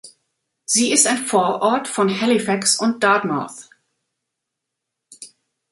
Sie ist ein Vorort von Halifax und Dartmouth.